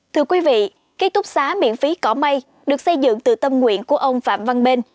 thưa quý vị kế túc xá miễn phí cỏ mây được xây dựng từ tâm nguyện của ông phạm văn bên